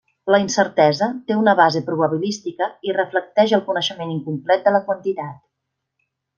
La incertesa té una base probabilística i reflecteix el coneixement incomplet de la quantitat.